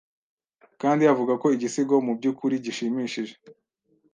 kandi avuga ko igisigo mu byukuri gishimishije